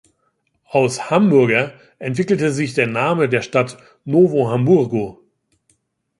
Aus Hamburger entwickelte sich der Name der Stadt Novo Hamburgo.